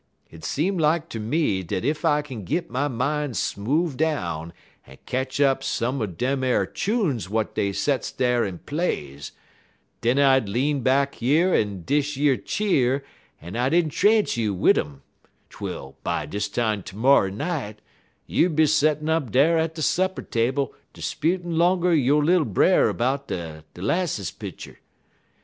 Hit seem like ter me dat ef I kin git my mine smoove down en ketch up some er dem ar chunes w'at dey sets dar en plays, den I 'd lean back yer in dish yer cheer en I'd intrance you wid um, twel, by dis time termorrer night, you'd be settin' up dar at de supper table 'sputin' 'longer yo' little brer 'bout de 'lasses pitcher.